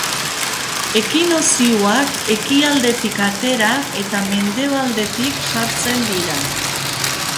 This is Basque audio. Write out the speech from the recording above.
Ekinokzioak ekialdetik atera eta mendebaldetik sartzen dira.